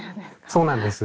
そうなんです。